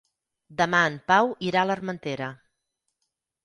Demà en Pau irà a l'Armentera.